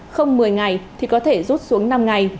không một mươi ngày thì có thể rút xuống năm ngày